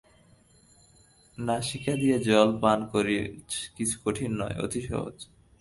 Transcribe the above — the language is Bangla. নাসিকা দিয়া জল পান করা কিছু কঠিন নয়, অতি সহজ।